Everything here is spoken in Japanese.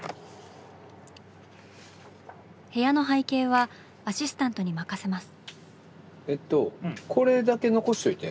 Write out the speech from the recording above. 部屋の背景はアシスタントに任せます。